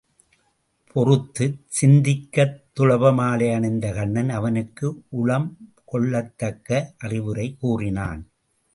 பொறுத்துச் சிந்திக்கத் துளப மாலை அணிந்த கண்ணன் அவனுக்கு உளம் கொள்ளத்தக்க அறிவுரை கூறினான்.